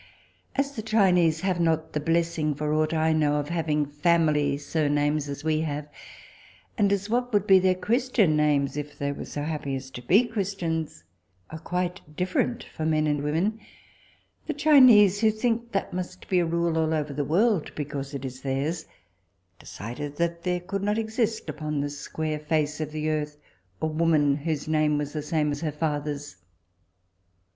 As the Chinese have not the blessing (for aught I know) of having family surnames as we have, and as what would be their christian names, if they were so happy as to be christians, are quite different for men and women, the Chinese, who think that must be a rule all over the world because it is theirs, decided that there could not exist upon the square face of the earth a woman whose name was the same as her father's.